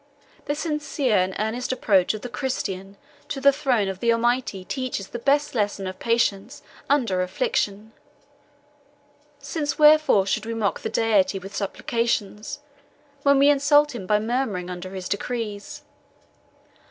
The sincere and earnest approach of the Christian to the throne of the Almighty teaches the best lesson of patience under affliction; since wherefore should we mock the Deity with supplications, when we insult him by murmuring under His decrees?